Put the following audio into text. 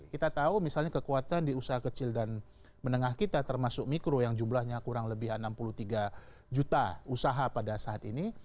kita tahu misalnya kekuatan di usaha kecil dan menengah kita termasuk mikro yang jumlahnya kurang lebih enam puluh tiga juta usaha pada saat ini